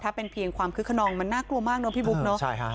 ถ้าเป็นเพียงความคึกขนองมันน่ากลัวมากเนอะพี่บุ๊คเนอะ